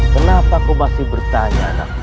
kenapa kau masih bertanya anak muda